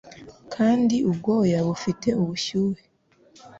Kandi ubwoya bufite ubushyuhe